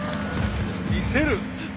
見せる！